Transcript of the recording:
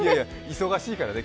忙しいからね。